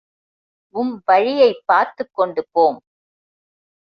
உம் வழியைப் பார்த்துக்கொண்டு போம்.